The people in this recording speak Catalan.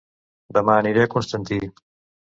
Dema aniré a Constantí